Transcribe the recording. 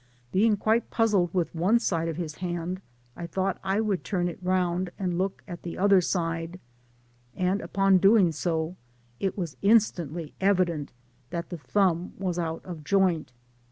Being quite puzzled with one side of his hand^ I thought I would turn it round, and. look at the other side, and upon doing so, it was in^ stantly evident that the thumb was out of joint.